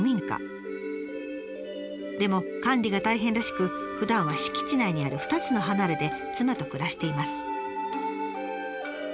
でも管理が大変らしくふだんは敷地内にある２つの離れで妻と暮らしています。